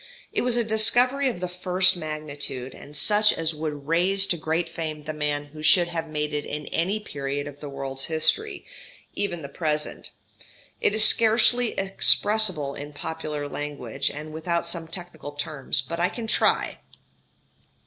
It was a discovery of the first magnitude, and such as would raise to great fame the man who should have made it in any period of the world's history, even the present. It is scarcely expressible in popular language, and without some technical terms; but I can try.